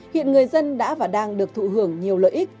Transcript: hiện người dân đã và đang được thụ hưởng nhiều lợi ích